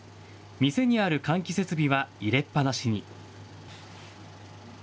店にある換気設備は入れっぱなしに。